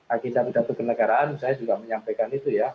agita bidatung ke negaraan misalnya juga menyampaikan itu ya